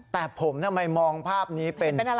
แต่ผมถ้ามัยมองภาพนี้เป็น๑๓